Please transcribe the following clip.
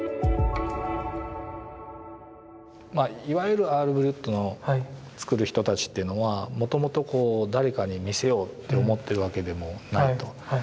いわゆるアール・ブリュットの作る人たちっていうのはもともと誰かに見せようって思ってるわけでもないと。